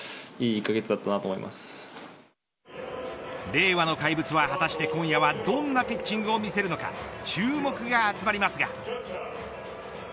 令和の怪物は、果たして今夜はどんなピッチングを見せるのか注目が集まりますが。